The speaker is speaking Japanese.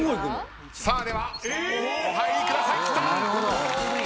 ではお入りください。